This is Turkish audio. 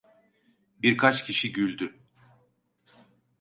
Birkaç kişi güldü.